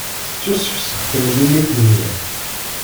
Tettusefsex temlilit-nni.